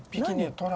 「トラ？」